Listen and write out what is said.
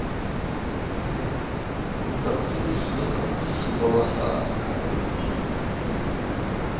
Йутахъдзугьи сзыха, сшубауа саъапӏ, – йхӏватӏ алыгажв.